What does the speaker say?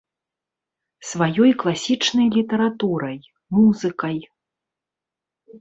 Сваёй класічнай літаратурай, музыкай.